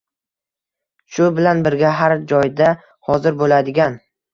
shu bilan birga, har joyda hozir bo‘ladigan